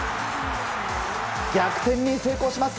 逆転に成功します。